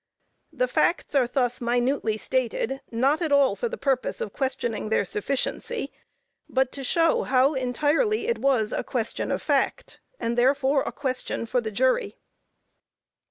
The facts are thus minutely stated, not at all for the purpose of questioning their sufficiency, but to show how entirely it was a question of fact, and therefore a question for the jury.